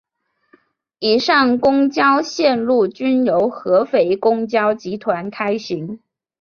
以上公交线路均由合肥公交集团开行。